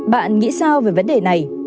bạn nghĩ sao về vấn đề này